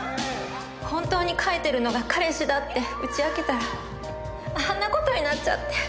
本当に書いてるのが彼氏だって打ち明けたらあんな事になっちゃって。